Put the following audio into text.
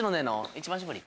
一番搾り？